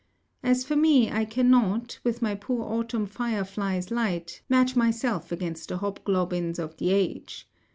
As for me, I cannot, with my poor autumn fire fly's light, match myself against the hobgoblins of the age.